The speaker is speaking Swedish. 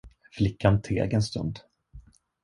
Flickan teg en stund.